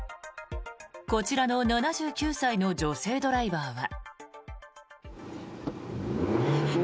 こちらの７９歳の女性ドライバーは。